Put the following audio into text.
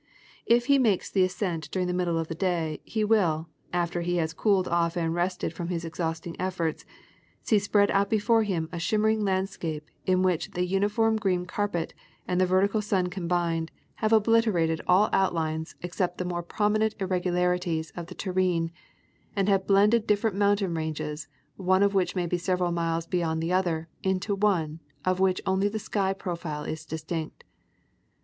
If he makes the ascent during the middle of the day, he will, after he has cooled off and rested from his exhausting efforts, see spread out before him a shimmering landscape in which the uni form green carpet and the vertical sun combined, have obliterated 324 National Geographic Magazine. all outlines except the more prominent irregularities of the ter rene, and have blended different mountain ranges, one of which may be several miles beyond the other, into one, of which only the sky profile is distinct.